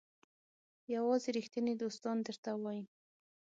یوازې ریښتیني دوستان درته وایي.